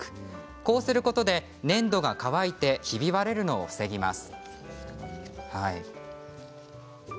こうすることで、粘土が乾いてひび割れるのを防ぎます。